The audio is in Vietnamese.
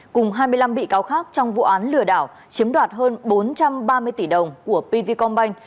cùng hai mươi năm bị cáo khác trong vụ án lừa đảo chiếm đoạt hơn bốn trăm ba mươi tỷ đồng của pv combine